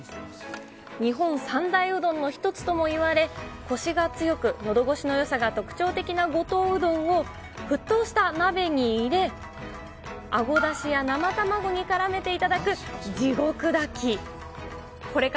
日本三大うどんの一つともいわれ、こしが強く、のどごしのよさが特徴的な五島うどんを沸騰した鍋に入れ、あごだしや生卵にからめて頂く地獄炊き。